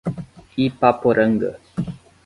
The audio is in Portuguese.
Ipaporanga